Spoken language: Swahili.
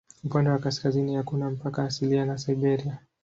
Upande wa kaskazini hakuna mpaka asilia na Siberia.